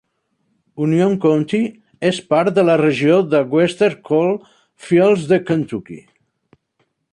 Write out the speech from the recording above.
Union County és part de la regió de Western Coal Fields de Kentucky.